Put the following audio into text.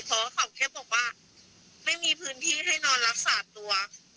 เพราะเขาแค่บอกว่าไม่มีพื้นที่ให้นอนรักษาตัว